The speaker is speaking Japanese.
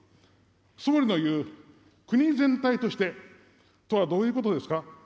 総理のいう国全体としてとはどういうことですか。